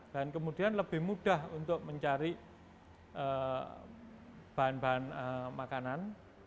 dan kemudian lebih mudah untuk mencari bahan bahan makanan